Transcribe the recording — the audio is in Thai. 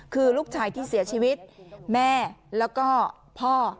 คือลูกชายที่เสียชีวิตแม่แล้วก็พ่อ